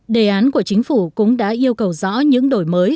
đề án của chính phủ cũng đã yêu cầu rõ những đổi mới